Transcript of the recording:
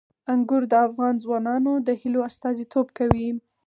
انګور د افغان ځوانانو د هیلو استازیتوب کوي.